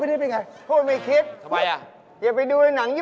อ่ะสมถัวพี่คิดหน่อย